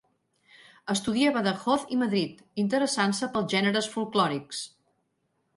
Estudia a Badajoz i Madrid, interessant-se pels gèneres folklòrics.